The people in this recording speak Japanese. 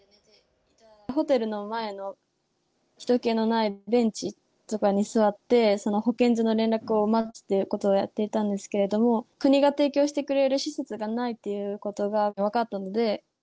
ホテルの前のひと気のないベンチとかに座って、保健所の連絡を待つということをやっていたんですけれども、国が提供してくれる施設がないっていうことが分かったので。